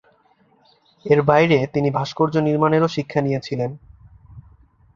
এর বাইরে তিনি ভাস্কর্য-নির্মাণেরও শিক্ষা নিয়েছিলেন।